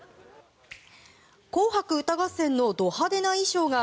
「紅白歌合戦」のド派手な衣装が